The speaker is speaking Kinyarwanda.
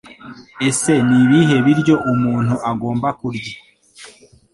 Ese n ibihe biryo umuntu agomba kurya